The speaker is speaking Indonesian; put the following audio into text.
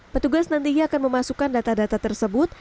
petugas nantinya akan memasukkan data data tersebut